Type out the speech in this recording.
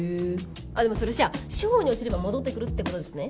あっでもそれじゃあ賞に落ちれば戻ってくるって事ですね。